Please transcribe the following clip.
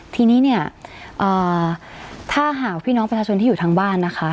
ทีนี้เนี่ยถ้าหากพี่น้องประชาชนที่อยู่ทางบ้านนะคะ